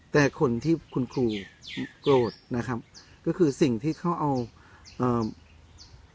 แต่คนที่คุณครูโกรธนะครับก็คือสิ่งที่เขาเอาเอ่อ